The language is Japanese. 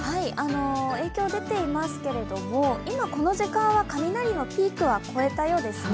影響出ていますけれども、今この時間は雷のピークは越えたようですね。